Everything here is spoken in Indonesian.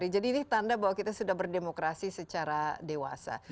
ini tanda bahwa kita sudah berdemokrasi secara dewasa